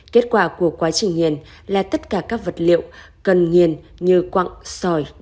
kết quả của quá trình nghiền là tất cả các vật liệu cần nghiền như quặng sỏi đá kim